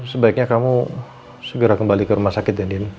sebaiknya kamu segera kembali ke rumah sakit ya dim